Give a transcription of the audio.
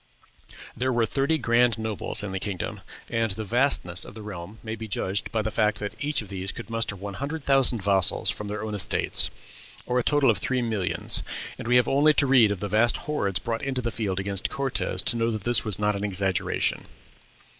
There were thirty grand nobles in the kingdom, and the vastness of the realm may be judged by the fact that each of these could muster one hundred thousand vassals from their own estates, or a total of three millions. And we have only to read of the vast hordes brought into the field against Cortez to know that this was not an exaggeration.